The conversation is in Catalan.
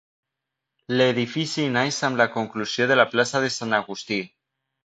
L'Edifici neix amb la conclusió de la plaça de Sant Agustí.